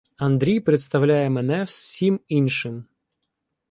Андрій представляє мене всім іншим.